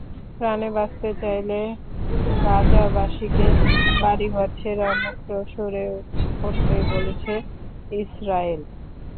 প্রাণে বাঁচতে চাইলে গাজাবাসীকে বাড়িঘর ছেড়ে অন্যত্র সরে পড়তে বলেছে ইসরায়েল।